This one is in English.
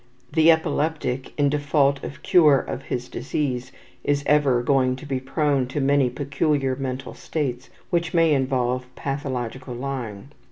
The epileptic, in default of cure of his disease, is ever going to be prone to many peculiar mental states which may involve pathological lying.